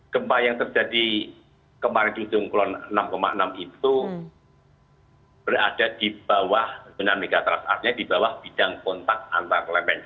gempa yang terjadi kemarin di tunggulon enam enam itu berada di bawah benar megatras artinya di bawah bidang kontak antar lemen